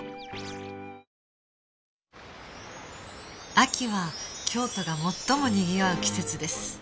秋は京都が最もにぎわう季節です